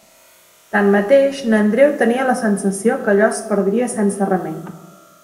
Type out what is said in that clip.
Tanmateix, n’Andreu tenia la sensació que allò es perdria sense remei.